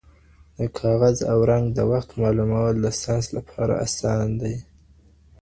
د کاغذ او رنګ د وخت معلومول د ساینس لپاره اسان دي.